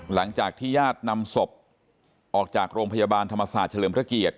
หลังจากที่ญาตินำศพออกจากโรงพยาบาลธรรมศาสตร์เฉลิมพระเกียรติ